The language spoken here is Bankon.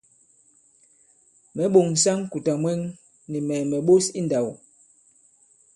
Mɛ̌ ɓòŋsa ŋ̀kùtà mwɛŋ, nì mɛ̀ mɛ̀ ɓos i ǹndāw.